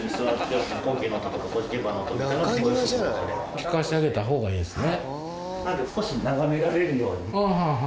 聞かせてあげたほうがいいんですね。